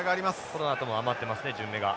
このあとも余ってますね順目が。